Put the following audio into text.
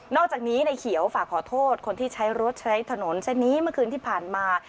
อกจากนี้ในเขียวฝากขอโทษคนที่ใช้รถใช้ถนนเส้นนี้เมื่อคืนที่ผ่านมา